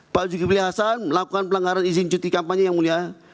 pak zulkifli hasan melakukan pelanggaran izin cuti kampanye yang mulia